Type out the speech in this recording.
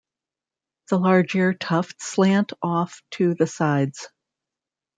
The large ear tufts slant off to the sides.